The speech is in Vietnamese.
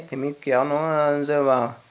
thì mình kéo nó rơi vào